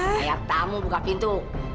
bayang tamu buka pintu